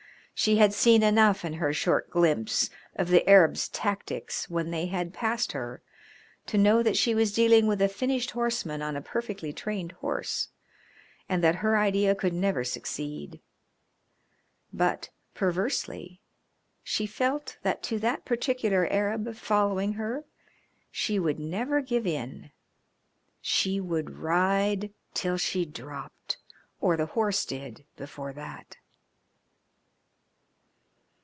She had seen enough in her short glimpse of the Arabs' tactics when they had passed her to know that she was dealing with a finished horseman on a perfectly trained horse, and that her idea could never succeed. But, perversely, she felt that to that particular Arab following her she would never give in. She would ride till she dropped, or the horse did, before that.